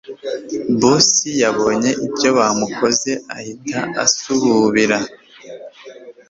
Boss yabonye ibyo bamukoze ahita asububira